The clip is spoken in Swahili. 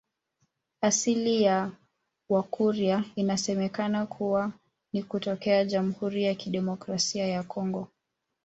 Asili ya Wakurya inasemekana kuwa ni kutokea Jamhuri ya Kidemokrasia ya Kongo